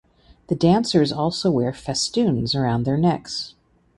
The dancers also wear festoons around their necks.